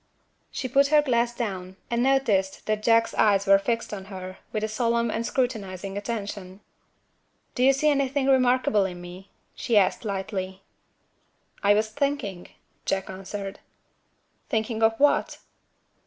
She put her glass down, and noticed that Jack's eyes were fixed on her, with a solemn and scrutinizing attention. "Do you see anything remarkable in me?" she asked lightly. "I was thinking," Jack answered. "Thinking of what?"